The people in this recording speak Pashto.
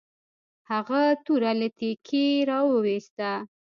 هغه توره له تیکي نه راویوسته.